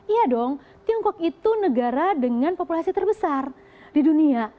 iya dong tiongkok itu negara dengan populasi terbesar di dunia